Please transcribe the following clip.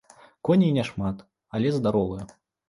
Коней няшмат, але здаровыя.